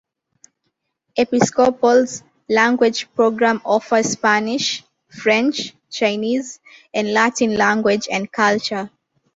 Episcopal's language program offers Spanish, French, Chinese, and Latin language and culture.